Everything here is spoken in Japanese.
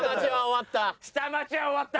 下町は終わった。